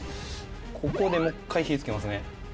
ここでもう１回火つけますね。